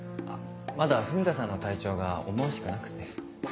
まだ文香さんの体調が思わしくなくて。